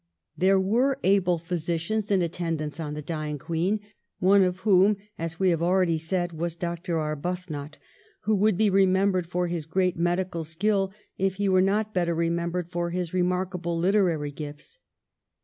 There were able physicians in attendance on the dying Queen, one of whom, as we have already said, was Dr. Arbuthnot, who would be remembered for his great medical skiU if he were not better remembered for his remarkable literary gifts.